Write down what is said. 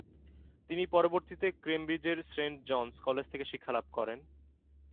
তিনি পরবর্তীতে কেমব্রিজের সেন্ট জনস কলেজ থেকে শিক্ষা লাভ করেন।